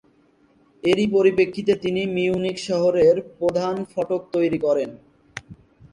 এরই প্রেক্ষিতে তিনি মিউনিখ শহরের প্রধান ফটক তৈরি করেন।